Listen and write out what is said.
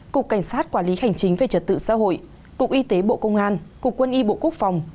cục cảnh sát quản lý hành chính về trật tự xã hội cục y tế bộ công an cục quân y bộ quốc phòng